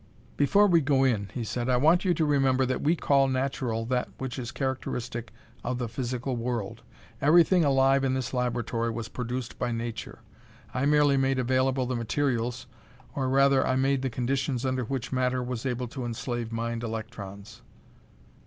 "Before we go in," he said, "I want you to remember that we call natural that which is characteristic of the physical world. Everything alive in this laboratory was produced by nature. I merely made available the materials, or, rather, I made the conditions under which matter was able to enslave mind electrons."